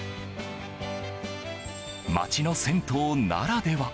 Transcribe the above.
町の銭湯ならでは。